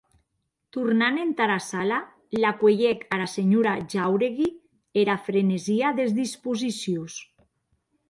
Tornant entara sala, la cuelhec ara senhora Jáuregui era frenesia des disposicions.